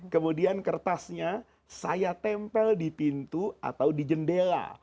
kemudian kertasnya saya tempel di pintu atau di jendela